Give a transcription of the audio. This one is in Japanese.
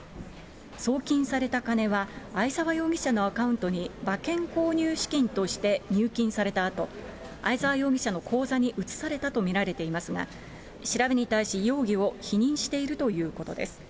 送金された金は、相沢容疑者のアカウントに、馬券購入資金として入金されたあと、相沢容疑者の口座に移されたと見られていますが、調べに対し容疑を否認しているということです。